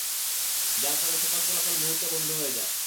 যার ফলে সকল চলাচল মুহুর্তে বন্ধ হয়ে যায়।